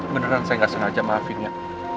beneran saya gak sengaja maafin ya